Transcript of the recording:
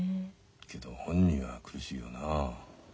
けど本人は苦しいよな。